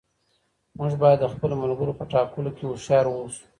موږ باید د خپلو ملګرو په ټاکلو کې هوښیار اوسو.